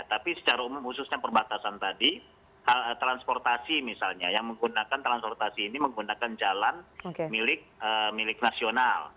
tapi secara umum khususnya perbatasan tadi transportasi misalnya yang menggunakan transportasi ini menggunakan jalan milik nasional